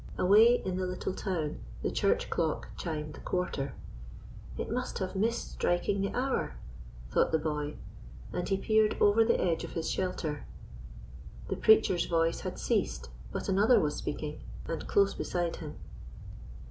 ... Away in the little town the church clock chimed the quarter. "It must have missed striking the hour," thought the boy, and he peered over the edge of his shelter. The preacher's voice had ceased; but another was speaking, and close beside him.